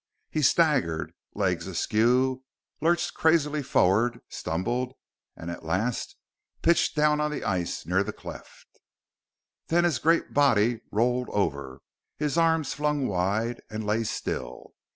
He staggered, legs askew, lurched crazily forward, stumbled, and at last pitched down on the ice near the cleft. Then his great body rolled over, arms flung wide, and lay still.